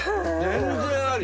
全然あり。